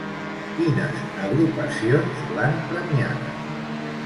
Quines agrupacions l'han premiada?